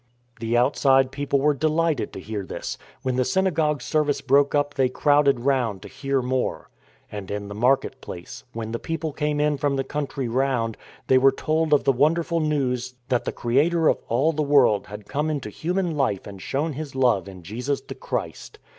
The outside people were delighted to hear this. When the synagogue service broke up they crowded round to hear more. And in the market place, when the people came in from the country round, they were told of the wonderful news that the Creator of all the world had come into human life and shown His love in Jesus the Christ.